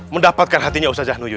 mendapatkan hatinya ustaz zanur yu